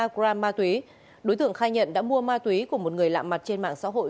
ba gram ma túy đối tượng khai nhận đã mua ma túy của một người lạm mặt trên mạng xã hội